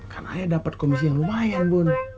kan ayah dapat komisi yang lumayan bun